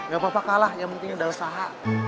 gak apa apa kalah ya mungkin udah usaha